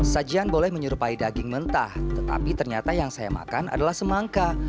sajian boleh menyerupai daging mentah tetapi ternyata yang saya makan adalah semangka